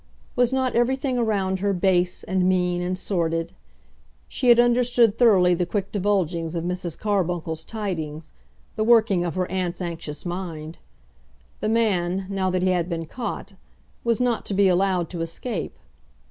Was not everything around her base, and mean, and sordid? She had understood thoroughly the quick divulgings of Mrs. Carbuncle's tidings, the working of her aunt's anxious mind. The man, now that he had been caught, was not to be allowed to escape.